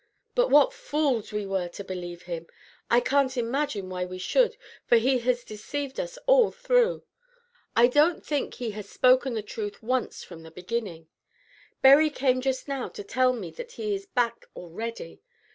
"But what fools we were to believe him! I can't imagine why we should, for he has deceived us all through. I don't think he has spoken the truth once from the very beginning. Berry came just now to tell me that he is back already.